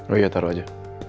oh iya taruh saja